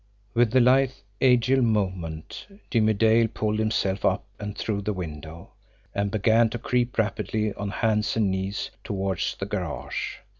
With a lithe, agile movement, Jimmie Dale pulled himself up and through the window and began to creep rapidly on hands and knees toward the garage.